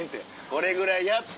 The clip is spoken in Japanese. これぐらいやって。